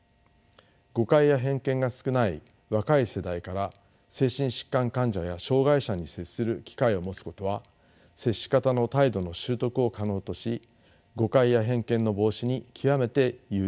誤解や偏見が少ない若い世代から精神疾患患者や障害者に接する機会を持つことは接し方の態度の習得を可能とし誤解や偏見の防止に極めて有用です。